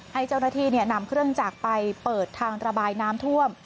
ให้เจ้าหน้าที่นำเครื่องจักรไปเปิดทางระบายน้ำท่วม